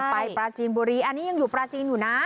ปลาจีนบุรีอันนี้ยังอยู่ปลาจีนอยู่นะ